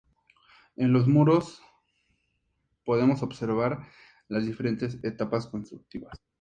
En los muros podemos observar las diferentes etapas constructivas.